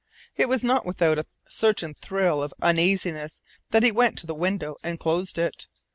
It was not without a certain thrill of uneasiness that he went to the window and closed it.